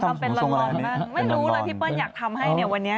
ไม่รู้เลยพี่เปิ้ลอยากทำให้วันนี้